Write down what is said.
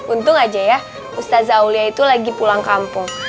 untung aja ya ustaza aulia itu lagi pulang kampung